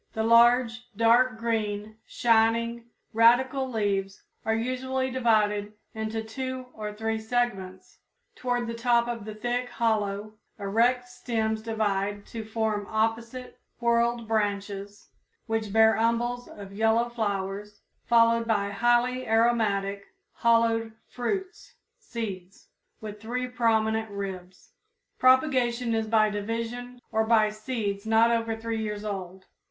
The large, dark green, shining radical leaves are usually divided into two or three segments. Toward the top the thick, hollow, erect stems divide to form opposite, whorled branches which bear umbels of yellow flowers, followed by highly aromatic, hollowed fruits ("seeds") with three prominent ribs. Propagation is by division or by seeds not over three years old.